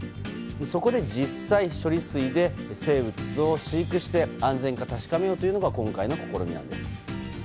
そこで実際、処理水で生物を飼育して安全か確かめようというのが今回の試みなんです。